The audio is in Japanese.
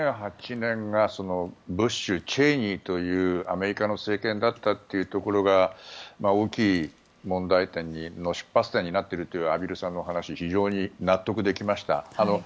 ２００８年がブッシュ、チェイニーというアメリカの政権だったというところが大きい問題点の出発点になっているという畔蒜さんのお話非常に納得できました。